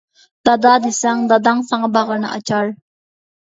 دادا دېسەڭ، داداڭ ساڭا باغرىنى ئاچار.